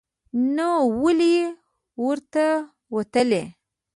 نو ولې ور وتلی ؟